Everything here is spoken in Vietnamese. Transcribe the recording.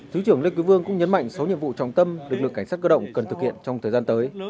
thứ trưởng lê quý vương cũng nhấn mạnh sáu nhiệm vụ trọng tâm lực lượng cảnh sát cơ động cần thực hiện trong thời gian tới